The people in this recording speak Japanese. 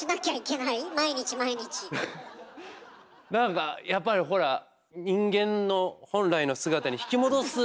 何かやっぱりほら人間の本来の姿に引き戻す。